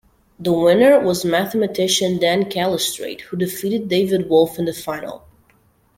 The winner was mathematician Dan Calistrate, who defeated David Wolfe in the final.